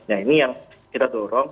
nah ini yang kita dorong